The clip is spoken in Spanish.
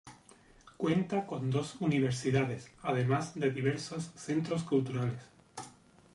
Cuenta con dos universidades además de diversos centros culturales.